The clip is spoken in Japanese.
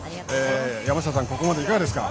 山下さん、ここまでいかがですか。